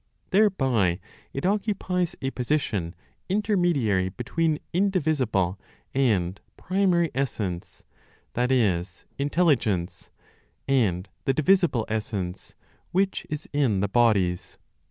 Thereby it occupies a position intermediary between indivisible and primary (essence), (that is, intelligence), and the divisible (essence) which is in the bodies.